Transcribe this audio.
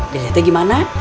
dedeh teh gimana